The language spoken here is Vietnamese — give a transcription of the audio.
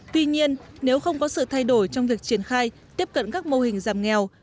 tuy nhiên nếu không có sự thay đổi trong việc triển khai tiếp cận các mô hình giảm nghèo